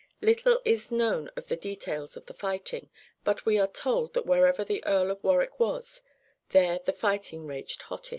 Little is known of the details of the fighting, but we are told that wherever the Earl of Warwick was, there the fight raged hottest.